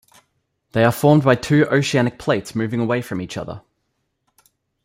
They are formed by two oceanic plates moving away from each other.